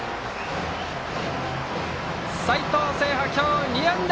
齊藤聖覇、今日２安打！